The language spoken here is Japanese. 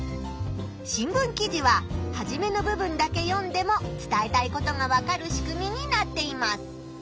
新聞記事ははじめの部分だけ読んでも伝えたいことがわかる仕組みになっています。